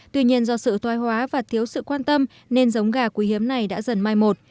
tuy nhiên do sự toai hóa và thiếu sự quan tâm nên giống gà quý hiếm này đã dần mai một